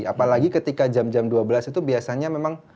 apalagi ketika jam jam dua belas itu biasanya memang